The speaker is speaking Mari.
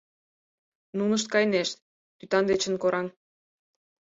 Нунышт кайынешт, тӱтан дечын кораҥ.